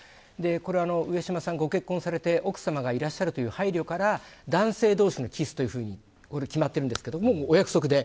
これは上島さんご結婚されて奥さまがいらっしゃるという配慮から男性同士のキスというふうに決まっているんですけどお約束で。